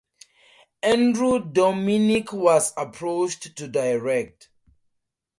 Andrew Dominik was approached to direct.